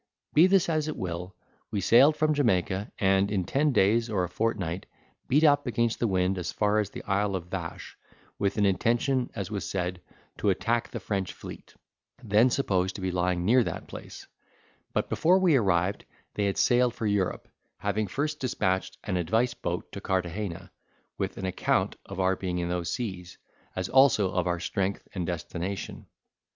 Be this as it will, we sailed from Jamaica, and, in ten days or a fortnight, beat up against the wind as far as the Isle of Vache, with an intention, as was said, to attack the French fleet, then supposed to be lying near that place; but before we arrived, they had sailed for Europe, having first dispatched an advice boat to Carthagena, with an account of our being in those seas, as also of our strength and destination.